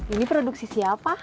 ini produk siapa